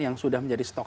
yang sudah menjadi stok